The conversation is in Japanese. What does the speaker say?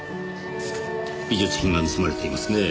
美術品が盗まれていますねぇ。